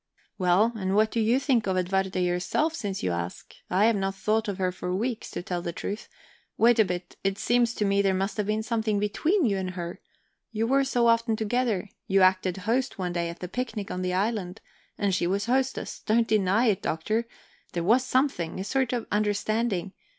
"Well, and what do you think of Edwarda yourself, since you ask? I have not thought of her for weeks, to tell the truth. Wait a bit it seems to me there must have been something between you and her, you were so often together. You acted host one day at a picnic on the island, and she was hostess. Don't deny it, Doctor, there was something a sort of understanding.